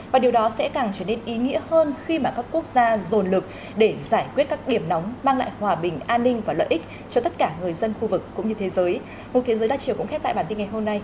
và điều đó sẽ càng trở nên ý nghĩa hơn khi mà các quốc gia dồn lực để giải quyết các điểm nóng mang lại hòa bình an ninh và lợi ích cho tất cả người dân khu vực cũng như thế giới